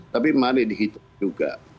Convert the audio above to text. tapi malah dihitung juga